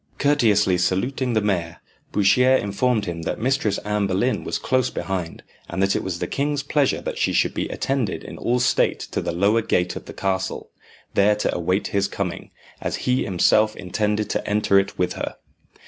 Courteously saluting the mayor, Bouchier informed him that Mistress Anne Boleyn was close behind, and that it was the king's pleasure that she should be attended in all state to the lower gate of the castle, there to await his coming, as he himself intended to enter it with her.